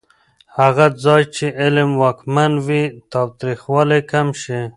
هغه ځای چې علم واکمن وي، تاوتریخوالی کم شي.